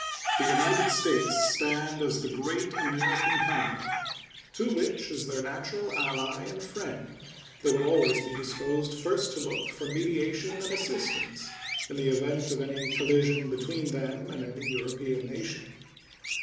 The United States stand as the great American power, to which, as their natural ally and friend, they will always be disposed first to look for mediation and assistance in the event of any collision between them and any European nation.